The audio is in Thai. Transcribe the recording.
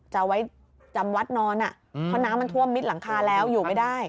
จะไว้จำวัดนอนเพราะน้ำมันท่วมมิดหลังคาแล้วอยู่ไม่ได้